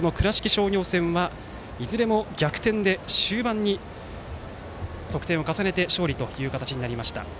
商業戦はいずれも逆転で終盤に得点を重ねて勝利という形になりました。